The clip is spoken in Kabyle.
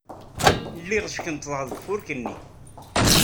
Lliɣ ckunṭḍeɣ deg ufurk-nni.